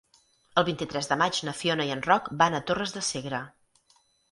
El vint-i-tres de maig na Fiona i en Roc van a Torres de Segre.